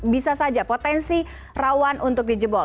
bisa saja potensi rawan untuk dijebol